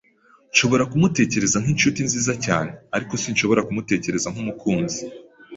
Nshobora kumutekereza nkinshuti nziza cyane, ariko sinshobora kumutekereza nkumukunzi.